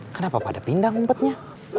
kenapa pada pindang umpetnya